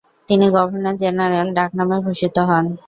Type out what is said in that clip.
তিনি ‘গভর্নর-জেনারেল’ ডাকনামে ভূষিত হন।